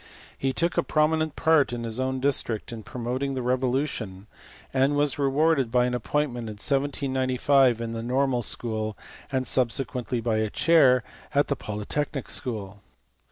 He took a prominent part in his own district in promoting the Revolution, and was rewarded by an appoint ment in 1795 in the Normal school, and subsequently by a chair at the Polytechnic school.